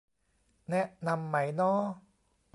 แนะนำไหมน้อ